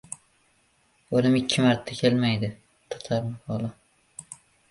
O‘lim ikki marta kelmaydi. Tatar maqoli